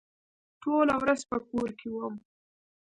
ټوله ورځ په کور کې وم.